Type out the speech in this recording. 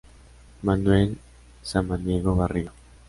Manuel Samaniego Barriga.